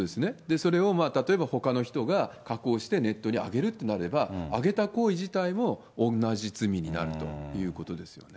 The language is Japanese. それを例えばほかの人が加工してネットに上げるってなれば、上げた行為自体も同じ罪になるということですよね。